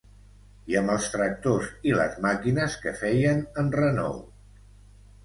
I amb els tractors i les màquines que feien enrenou